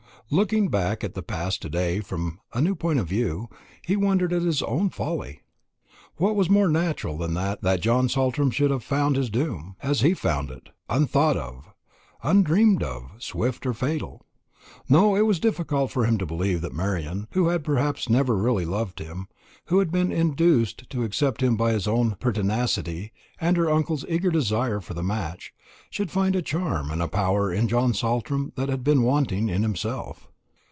Looking back at the past to day from a new point of view, he wondered at his own folly. What was more natural than that John Saltram should have found his doom, as he had found it, unthought of, undreamed of, swift, and fatal? Nor was it difficult for him to believe that Marian who had perhaps never really loved him, who had been induced to accept him by his own pertinacity and her uncle's eager desire for the match should find a charm and a power in John Saltram that had been wanting in himself.